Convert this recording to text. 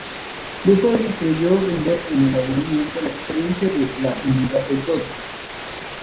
Leopardi creyó ver en el aburrimiento la experiencia de la nulidad de todo.